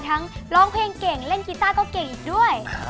ร้องเพลงเก่งเล่นกีต้าก็เก่งอีกด้วย